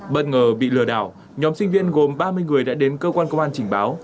bất ngờ bị lừa đảo nhóm sinh viên gồm ba mươi người đã đến cơ quan công an trình báo